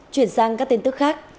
chuyển sang các tin tức khác